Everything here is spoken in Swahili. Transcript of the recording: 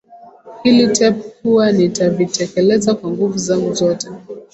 hili tape kuwa nitavitekeleza kwa nguvu zangu zote